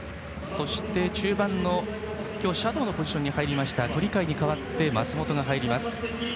そして中盤のシャドーのポジションに入りました鳥海に代わって松本が入ります。